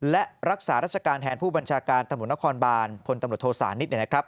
และรักษาราชการแทนผู้บัญชาการตำรวจนครบานพลตำรวจโทษานิท